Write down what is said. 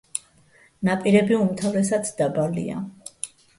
ნაპირები უმთავრესად დაბალია.